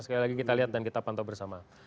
sekali lagi kita lihat dan kita pantau bersama